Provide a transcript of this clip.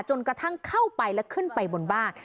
จนกระทั่งเข้าไปแล้วขึ้นไปบนบ้าน